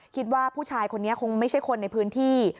คิดว่าผู้ชายคนนี้คงไม่ใช่คนในพื้นที่